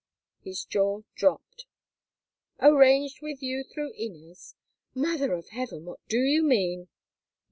His jaw dropped. "Arranged with you through Inez! Mother of Heaven! what do you mean?"